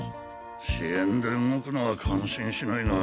私怨で動くのは感心しないが。